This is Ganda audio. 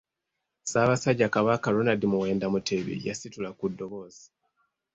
Ssaabasajja Kabaka Ronald Muwenda Mutebi yasitula ku ddoboozi.